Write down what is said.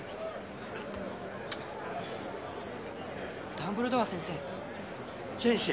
ダンブルドア先生先生